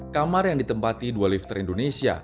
kamar yang ditempati dua lifter indonesia